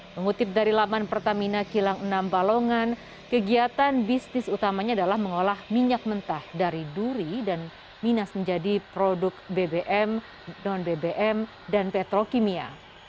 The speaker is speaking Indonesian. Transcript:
mengutip dari laman pertamina kilang enam balongan kegiatan bisnis utamanya adalah mengolah minyak mentah dari duri dan minas menjadi produk bbm non bbm dan petrokimia